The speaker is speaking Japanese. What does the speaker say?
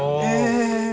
え！